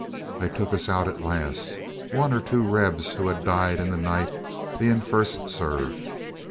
They took us out at last, one or two rebs who had died in the night being first served.